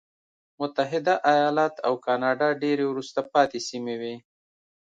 متحده ایالات او کاناډا ډېرې وروسته پاتې سیمې وې.